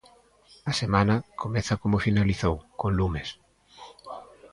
A semana comeza como finalizou, con lumes.